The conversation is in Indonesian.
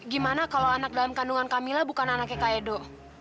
gimana kalau anak dalam kandungan kamilah bukan anaknya kak edo